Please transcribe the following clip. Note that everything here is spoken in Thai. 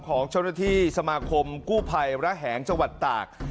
ของเจ้าหน้าที่สมาคมกู้ภัยระแหงจังหวัดตาก